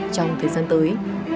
trong thời gian tới